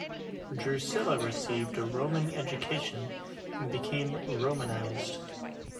Drusilla received a Roman education and became Romanized.